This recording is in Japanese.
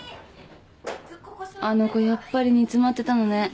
あの子やっぱり煮詰まってたのね。